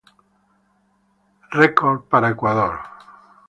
Records para los Estados Unidos.